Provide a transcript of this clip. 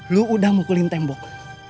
lu udah mukulin tembok